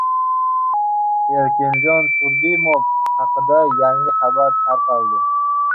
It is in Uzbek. Erkinjon Turdimov haqida yangi xabar tarqatildi